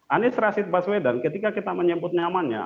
anies rashid baswedan ketika kita menyebut nyamannya